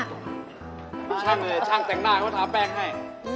มีช่างเลยช่างแต่งหน้าเขาทาแป้งให้